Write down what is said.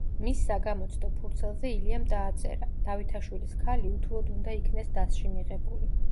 მის საგამოცდო ფურცელზე ილიამ დააწერა: „დავითაშვილის ქალი უთუოდ უნდა იქნეს დასში მიღებული“.